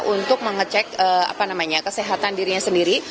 untuk mengecek kesehatan dirinya sendiri